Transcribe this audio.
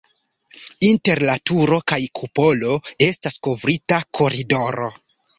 Inter la turo kaj kupolo estas kovrita koridoro.